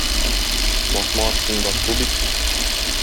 Басма астында су бит.